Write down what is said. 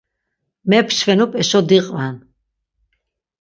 Mepşvenup eşo diqven.